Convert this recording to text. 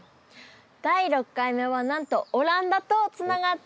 第６回目はなんとオランダとつながっています。